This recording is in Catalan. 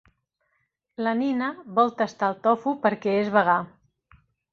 La Nina vol tastar el tofu perquè és vegà.